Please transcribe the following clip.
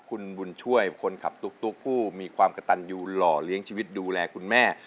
คุณบุญช่วยคนขับตุ๊กผู้มีความกระตันอยู่หล่อเลี้ยงชีวิตดูแลคุณแม่